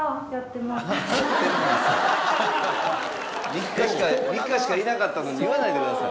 ３日しか３日しかいなかったのに言わないでください。